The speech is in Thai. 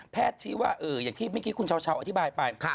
ชี้ว่าอย่างที่เมื่อกี้คุณเช้าอธิบายไป